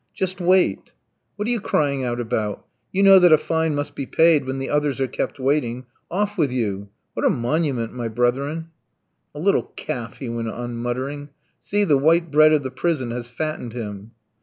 "Just wait." "What are you crying out about? You know that a fine must be paid when the others are kept waiting. Off with you. What a monument, my brethren!" "A little calf," he went on muttering. "See, the white bread of the prison has fattened him."